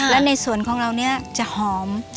และในส่วนของเราเนี่ยจะหอม